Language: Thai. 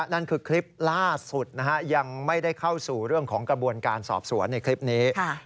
นั่นคือคลิปล่าสุดยังไม่ได้เข้าสู่เรื่องของกระบวนการสอบสวนในคลิปนี้